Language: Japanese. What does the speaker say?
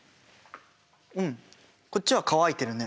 うんこっちは乾いてるね。